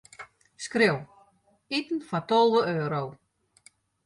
Skriuw: iten foar tolve euro.